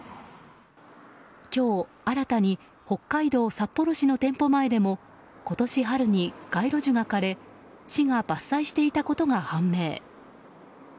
今日、新たに北海道札幌市の店舗前でも今年春に街路樹が枯れ市が伐採していたことが判明。